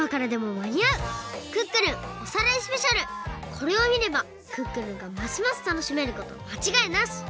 これをみれば「クックルン」がますますたのしめることまちがいなし！